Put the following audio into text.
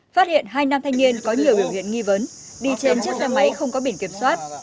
phát hiện hai nam thanh niên có nhiều biểu hiện nghi vấn đi trên chiếc xe máy không có biển kiểm soát